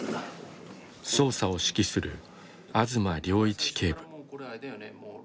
捜査を指揮する我妻良一警部。